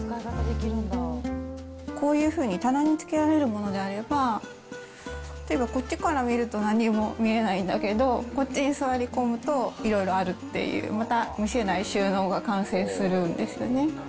こういうふうに棚に付けられるものであれば、こっちから見ると何も見えないんだけど、こっちに座り込むと、いろいろあるっていう、また見せない収納が完成するんですよね。